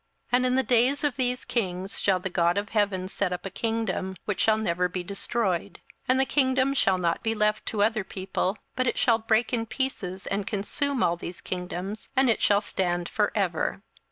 27:002:044 And in the days of these kings shall the God of heaven set up a kingdom, which shall never be destroyed: and the kingdom shall not be left to other people, but it shall break in pieces and consume all these kingdoms, and it shall stand for ever.